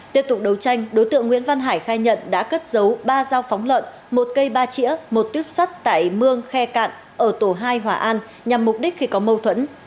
tiếp tục đấu tranh đối tượng nguyễn văn hải khai nhận đã cất giấu ba dao phóng lợn một cây ba trĩa một tuyếp sắt tại mương khe cạn ở tổ hai hòa an nhằm mục đích khi có mâu thuẫn